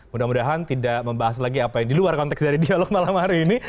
mudah mudahan tidak membahas lagi apa yang di luar konteks dari dialog malam hari ini